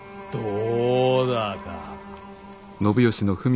どうだか。